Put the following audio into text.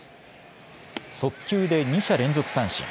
速球で２者連続三振。